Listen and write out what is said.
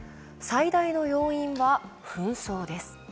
最大の要因は紛争です。